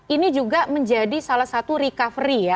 ini juga menjadi salah satu recovery ya